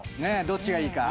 どっちがいいか？